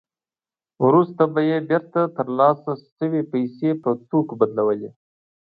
وروسته به یې بېرته ترلاسه شوې پیسې په توکو بدلولې